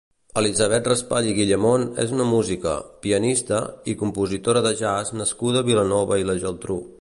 Elisabet Raspall i Guillamont és una música, pianista i compositora de jazz nascuda a Vilanova i la Geltrú.